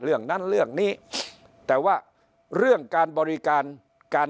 เรื่องนั้นเรื่องนี้แต่ว่าเรื่องการบริการการ